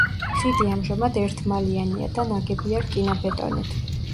ხიდი ამჟამად ერთმალიანია და ნაგებია რკინაბეტონით.